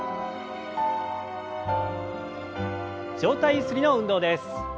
上体ゆすりの運動です。